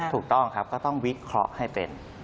ถูกต้องครับก็ต้องวิเคราะห์ให้เป็น